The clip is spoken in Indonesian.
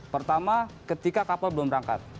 pertama ketika kapal belum berangkat